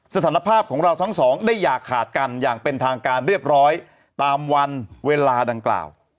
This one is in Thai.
สภาพของเราทั้งสองได้อย่าขาดกันอย่างเป็นทางการเรียบร้อยตามวันเวลาดังกล่าว